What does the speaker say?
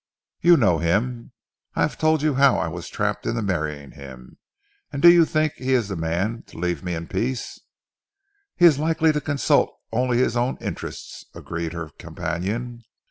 "You know him, I have told you how I was trapped into marrying him, do you think that he is the man to leave me in peace?" "He is likely to consult only his own interests," agreed her companion.